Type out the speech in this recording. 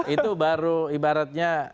itu baru ibaratnya